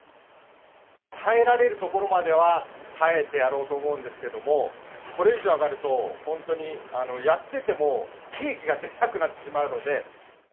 耐えられるところまでは耐えてやろうと思うんですけども、これ以上上がると、本当に、やってても利益が出なくなってしまうので。